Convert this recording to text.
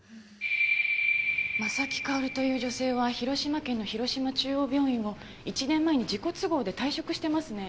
真崎薫という女性は広島県の広島中央病院を１年前に自己都合で退職していますね。